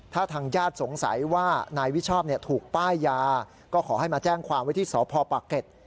ถ้าทางญาติสงสัยว่านายวิชอบถูกป้ายยาก็ขอให้มาแจ้งความไว้ที่สพปะเก็ต